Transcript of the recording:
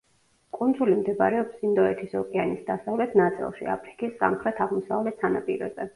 კუნძული მდებარეობს ინდოეთის ოკეანის დასავლეთ ნაწილში, აფრიკის სამხრეთ-აღმოსავლეთ სანაპიროზე.